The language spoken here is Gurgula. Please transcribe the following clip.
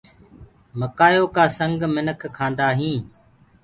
مڪآئيو ڪآ سنگ منک کآندآ هينٚ۔